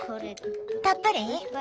たっぷり？